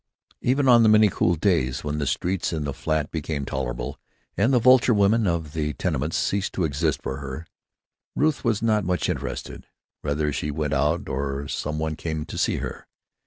Even on the many cool days when the streets and the flat became tolerable and the vulture women of the tenements ceased to exist for her, Ruth was not much interested, whether she went out or some one came to see her.